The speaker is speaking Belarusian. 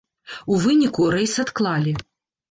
У выніку, рэйс адклалі.